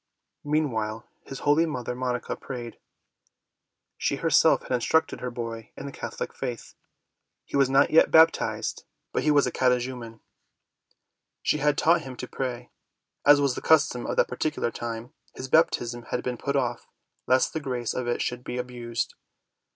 Meanwhile, his holy mother, Monica, prayed. She her self had instructed her boy in the Catholic faith. He was not yet baptized, but he was a catechumen. She had taught him to pray. As was the custom at that particular time, his baptism had been put off, lest the grace of it should be abused.